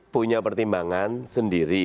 punya pertimbangan sendiri